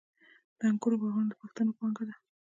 د انګورو باغونه د پښتنو پانګه ده.